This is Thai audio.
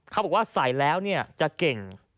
เขาบอกว่าใส่แล้วจะเก่ง